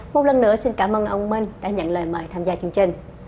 một lần nữa xin cảm ơn ông minh đã nhận lời mời tham gia chương trình